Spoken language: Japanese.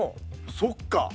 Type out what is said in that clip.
そっか！